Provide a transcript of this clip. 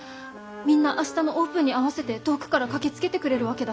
みんな明日のオープンに合わせて遠くから駆けつけてくれるわけだし。